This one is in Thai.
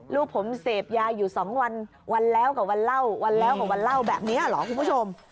ลูกผมเสพยาอยู่๒วันวันแล้วกับวันเล่าวันแล้วกับวันเล่าแบบนี้เหรอคุณผู้ชม